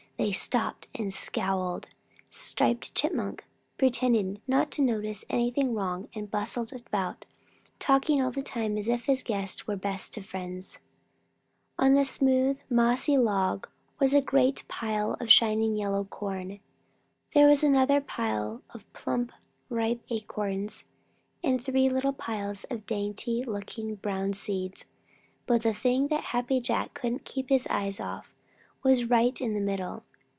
Then they stopped and scowled. Striped Chipmunk pretended not to notice anything wrong and bustled about, talking all the time as if his guests were the best of friends. On the smooth, mossy log was a great pile of shining yellow corn. There was another pile of plump ripe acorns, and three little piles of dainty looking brown seeds. But the thing that Happy Jack couldn't keep his eyes off was right in the middle.